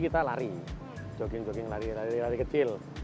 kita lari jogging jogging lari lari lari kecil